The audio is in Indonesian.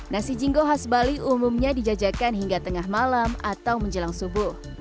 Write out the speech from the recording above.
nasi jingo khas bali umumnya dijajakan hingga tengah malam atau menjelang subuh